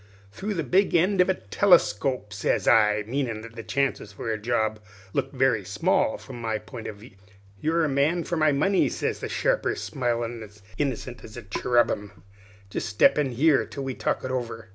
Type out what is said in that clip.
"'Through the big end of a telescope,' sez I meanin' that the chances for a job looked very small from my pint of view. "'You're the man for my money,' sez the sharper, smilin' as innocent as a cherubim; 'jest step in here, till we talk it over.'